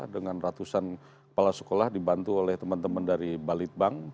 dengan ratusan kepala sekolah dibantu oleh teman teman dari balitbank